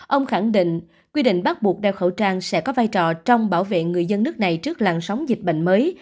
ông khẳng định quy định bắt buộc đeo khẩu trang sẽ có vai trò trong bảo vệ người dân nước này trước làn sóng dịch bệnh mới